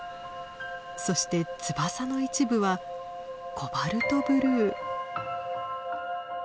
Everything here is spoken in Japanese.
そして翼の一部はコバルトブルー。